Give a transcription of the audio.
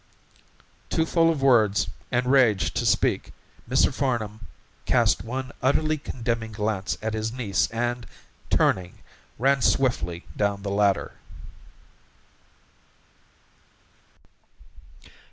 Too full of words and rage to speak, Mr. Farnam cast one utterly condemning glance at his niece and, turning, ran swiftly down the ladder.